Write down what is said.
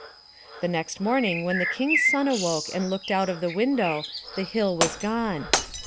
The next morning when the King's son awoke and looked out of the window the hill was gone.